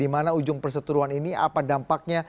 belum selesai kok